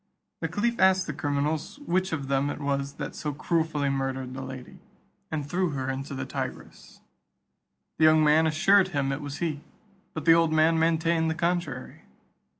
The caliph asked the criminals which of them it was that so cruelly murdered the lady, and threw her into the Tigris? The young man assured him it was he, but the old man maintained the contrary.